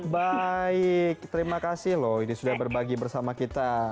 baik terima kasih loh ini sudah berbagi bersama kita